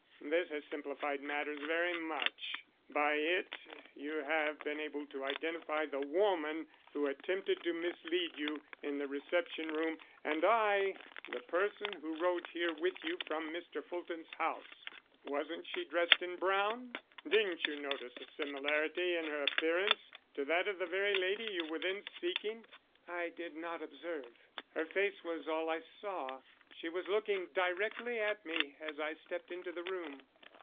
This has simplified matters very much. By it you have been able to identify the woman who attempted to mislead you in the reception room, and I the person who rode here with you from Mr. Fulton's house. Wasn't she dressed in brown? Didn't you notice a similarity in her appearance to that of the very lady you were then seeking?" "I did not observe. Her face was all I saw. She was looking directly at me as I stepped into the room."